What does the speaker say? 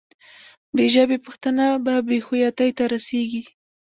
بې ژبې پښتانه به بې هویتۍ ته رسېږي.